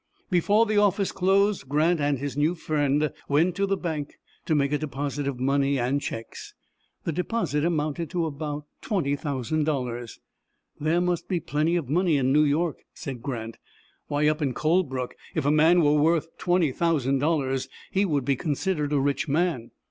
Before the office closed, Grant and his new friend went to the bank to make a deposit of money and checks. The deposit amounted to about twenty thousand dollars. "There must be plenty of money in New York," said Grant. "Why, up in Colebrook, if a man were worth twenty thousand dollars he would be considered a rich man."